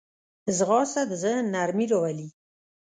ځغاسته د ذهن نرمي راولي